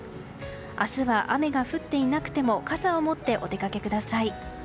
明日は、雨が降っていなくても傘を持ってお出かけください。